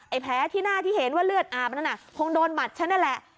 แผลที่หน้าที่เห็นว่าเลือดอาบนั้นน่ะคงโดนหมัดฉันนั่นแหละ